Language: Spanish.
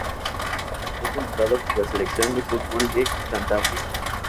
Fue convocado por la selección de fútbol de Cantabria.